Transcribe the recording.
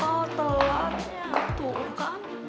oh telatnya tuh kan